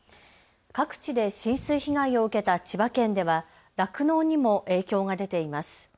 各地で浸水被害を受けた千葉県では酪農にも影響が出ています。